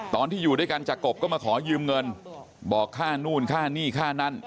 ตอนที่อยู่ด้วยกันจากกบก็มาขอยืมเงินบอกค่านู่นค่านี่ค่านั่น